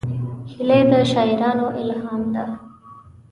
هیلۍ د شاعرانو الهام ده